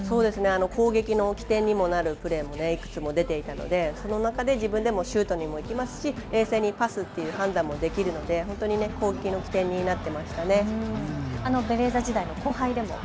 攻撃の起点にもなるプレーもいくつも出ていたので、その中で自分でもシュートもありますし、冷静にパスの判断もできるので攻撃の起点になっていましたね。